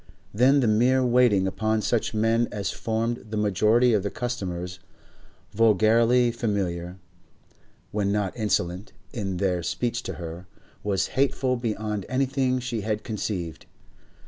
Then the mere waiting upon such men as formed the majority of the customers, vulgarly familiar, when not insolent, in their speech to her, was hateful beyond anything she had conceived.